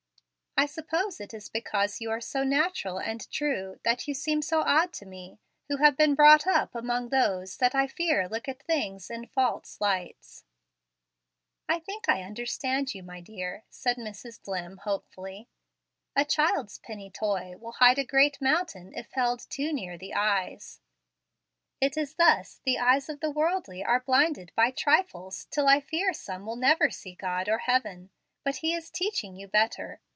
"I suppose it is because you are so natural and true that you seem so odd to me, who have been brought up among those that I fear look at things in false lights." "I think I understand you, my dear," said Mrs. Dlimm, hopefully. "A child's penny toy will hide a great mountain if held too near the eyes. It is thus the eyes of the worldly are blinded by trifles till I fear some will never see God or heaven. But He is teaching you better.